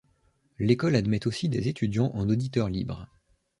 L’école admet aussi des étudiants en auditeurs libres.